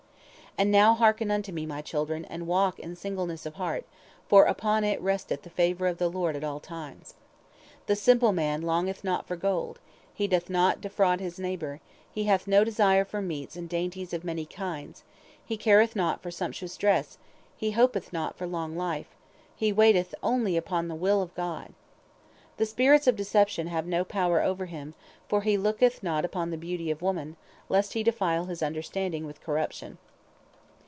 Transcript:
"And now hearken unto me, my children, and walk in singleness of heart, for upon it resteth the favor of the Lord at all times. The simple man longeth not for gold, he doth not defraud his neighbor, he hath no desire for meats and dainties of many kinds, he careth not for sumptuous dress, he hopeth not for long life, he waiteth only upon the will of God. The spirits of deception have no power over him, for he looketh not upon the beauty of woman, lest he defile his understanding with corruption.